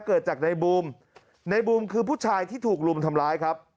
เกิดจากในบูมในบูมคือผู้ชายที่ถูกรุมทำร้ายครับ